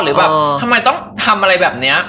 หรือแบบทำไมต้องทำอะไรแบบนี้